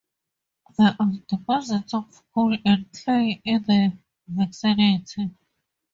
There are deposits of coal and clay in the vicinity.